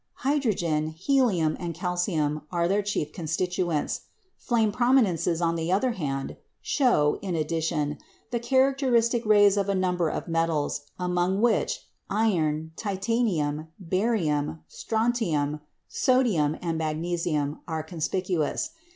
Hydrogen, helium, and calcium are their chief constituents. "Flame prominences," on the other hand, show, in addition, the characteristic rays of a number of metals, among which iron, titanium, barium, strontium, sodium, and magnesium are conspicuous.